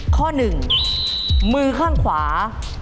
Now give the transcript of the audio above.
ข้อหนึ่งมือข้างขวา